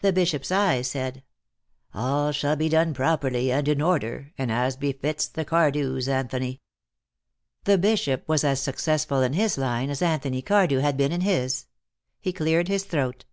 The Bishop's eyes said: "All shall be done properly and in order, and as befits the Cardews, Anthony." The Bishop was as successful in his line as Anthony Cardew had been in his. He cleared his throat.